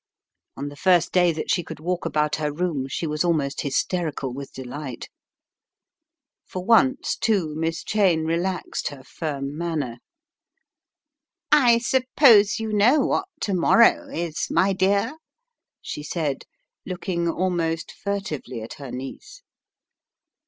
On the first day that she could walk about her room she was almost hysterical with delight. For once, too, Miss Cheyne relaxed her firm manner* "I suppose you know what to morrow is, my dear," she said, looking almost furtively at her niece.